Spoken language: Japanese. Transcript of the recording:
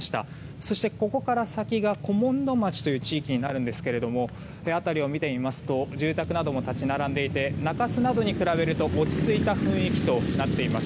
そして、ここから先が古門戸町という地域になるんですが辺りを見てみますと住宅なども立ち並んでいて中洲などに比べると落ち着いた雰囲気となっています。